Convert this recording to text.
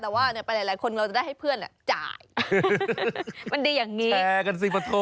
แต่ว่าไปหลายคนเราจะได้ให้เพื่อนจ่ายมันดีอย่างนี้